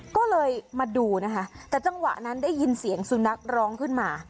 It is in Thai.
ก็เลยมาดูนะคะแต่จังหวะนั้นได้ยินเสียงสุนัขร้องขึ้นมา